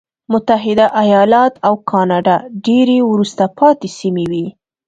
متحده ایالات او کاناډا ډېرې وروسته پاتې سیمې وې.